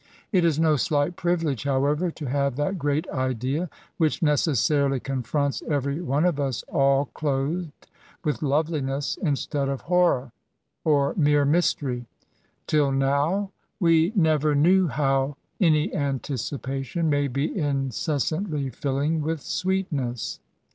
It is no slight privilege, however, to have that great idea which necessarily confronts every one of us all clothed with loveliness instead of horror, or mere mystery. Till now, we never 206 B88ATS. knew how any anticipation may be incessantly filling with sweetness.